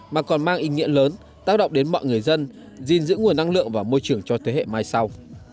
mà còn mang ý nghĩa lớn táo động đến mọi người dân dinh dưỡng nguồn năng lượng và môi trường cho thế hệ mai sau